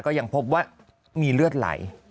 ยังพบว่ามีเลือดไหล